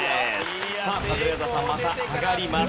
さあカズレーザーさんまた上がります。